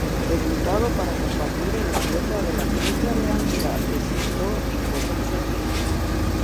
Reclutado para combatir en la Guerra de la Triple Alianza, desertó y fue perseguido.